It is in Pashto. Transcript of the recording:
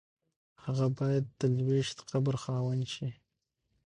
هغه باید د لویشت قبر خاوند شي.